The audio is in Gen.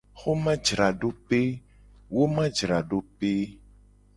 Xomajradope.